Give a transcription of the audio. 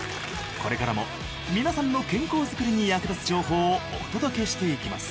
これからも皆さんの健康づくりに役立つ情報をお届けしていきます。